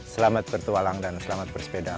selamat bertualang dan selamat bersepeda